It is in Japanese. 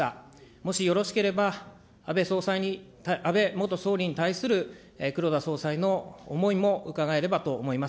もしよろしければ、安倍総裁に、安倍元総理に対する黒田総裁の思いも伺えればと思います。